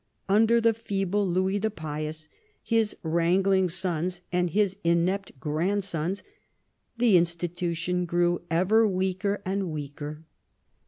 Under the feeble Louis the Pious, his wrangling sons and his ine])t grandsons, the institution grew ever weaker and weaker.